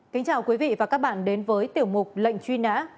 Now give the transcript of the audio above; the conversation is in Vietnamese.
kính chào quý vị và các bạn đến với tiểu mục lệnh truy nã